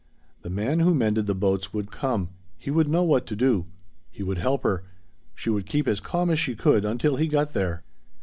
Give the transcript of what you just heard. The man who mended the boats would come. He would know what to do. He would help her. She would keep as calm as she could until he got there.